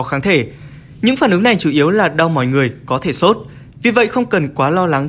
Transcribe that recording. kháng thể những phản ứng này chủ yếu là đau mọi người có thể sốt vì vậy không cần quá lo lắng